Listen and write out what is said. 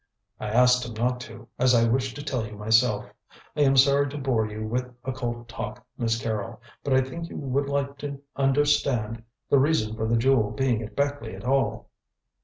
"I asked him not to, as I wished to tell you myself. I am sorry to bore you with occult talk, Miss Carrol, but I think you would like to understand the reason for the Jewel being at Beckleigh at all."